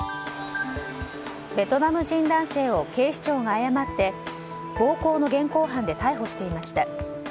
ベトナム人男性を警視庁が誤って暴行の現行犯で逮捕していました。